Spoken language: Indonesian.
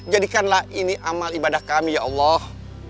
jadikanlah ini amal ibadah kami ya allah